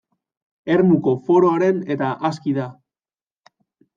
Ermuko Foroaren eta Aski da!